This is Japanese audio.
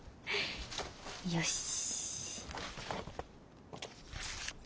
よし。